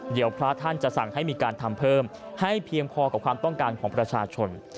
เดี๋ยวพระท่านจะสั่งให้มีการทำเพิ่มให้เพียงพอกับความต้องการของประชาชน